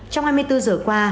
trong hai mươi bốn giờ qua